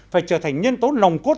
phải trở thành nhân tố nồng cốt